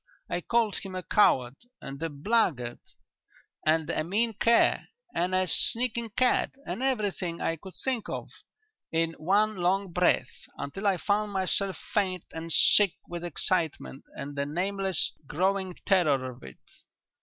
I called him a coward and a blackguard and a mean cur and a sneaking cad and everything I could think of in one long breath, until I found myself faint and sick with excitement and the nameless growing terror of it.